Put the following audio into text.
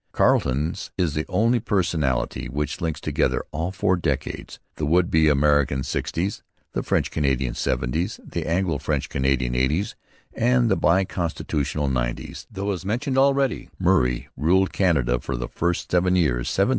Carleton's is the only personality which links together all four decades the would be American sixties, the French Canadian seventies, the Anglo French Canadian eighties, and the bi constitutional nineties though, as mentioned already, Murray ruled Canada for the first seven years, 1759 66.